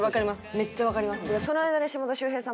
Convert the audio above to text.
めっちゃわかります。